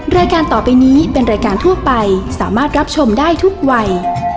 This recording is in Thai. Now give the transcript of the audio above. รายการต่อไปนี้เป็นรายการทั่วไปสามารถรับชมได้ทุกวัย